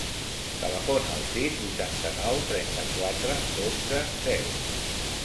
Telefona al sis, vuitanta-nou, trenta-quatre, dotze, zero.